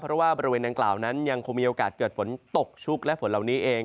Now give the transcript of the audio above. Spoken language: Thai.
เพราะว่าบริเวณดังกล่าวนั้นยังคงมีโอกาสเกิดฝนตกชุกและฝนเหล่านี้เอง